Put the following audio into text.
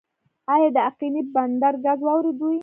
آیا د اقینې بندر ګاز واردوي؟